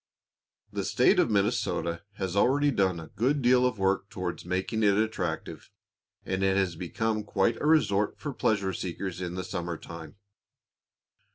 The State of Minnesota has already done a good deal of work towards making it attractive, and it has become quite a resort for pleasure seekers in the summer time.